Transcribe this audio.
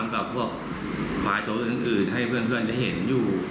ต้องค้ำกับว่าหวายโจทย์อื่นให้เพื่อนได้เห็นอยู่